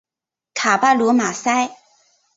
卡巴卢马塞。